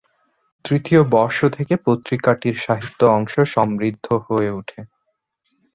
তৃতীয় বর্ষ থেকে পত্রিকাটির সাহিত্য অংশ সমৃদ্ধ হয়ে ওঠে।